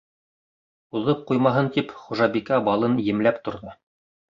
Уҙып ҡуймаһын тип, хужабикә балын емләп торҙо.